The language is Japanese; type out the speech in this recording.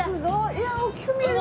いやあ大きく見えます。